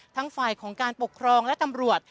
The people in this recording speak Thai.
ฝ่ายของการปกครองและตำรวจ